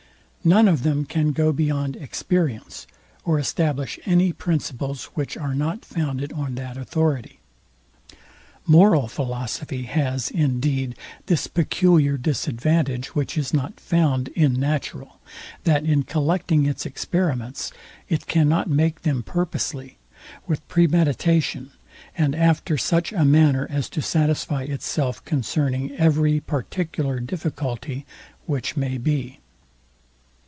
None of them can go beyond experience, or establish any principles which are not founded on that authority. Moral philosophy has, indeed, this peculiar disadvantage, which is not found in natural, that in collecting its experiments, it cannot make them purposely, with premeditation, and after such a manner as to satisfy itself concerning every particular difficulty which may be.